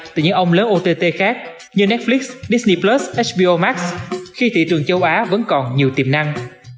từ những ông lớn ott khác như netflix disney plus hbo max khi thị trường châu á vẫn còn nhiều tiềm năng